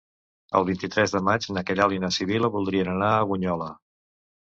El vint-i-tres de maig na Queralt i na Sibil·la voldrien anar a Bunyola.